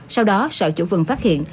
sau đó sợ chủ vườn phát hiện